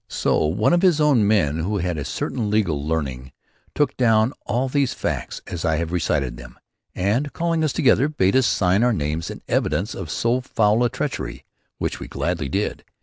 So one of his own men who had a certain legal learning took down all these facts as I have recited them and calling us together, bade us sign our names in evidence of so foul a treachery. Which we gladly did.